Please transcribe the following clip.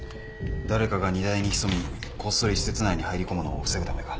誰かが荷台に潜みこっそり施設内に入りこむのを防ぐためか。